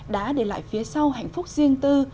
để phía sau hạnh phúc riêng tư